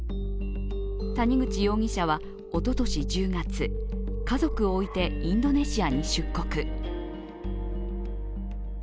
谷口容疑者はおととし１０月家族を置いてインドネシアに出国。